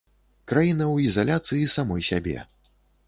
Краіна ў ізаляцыі самой сябе.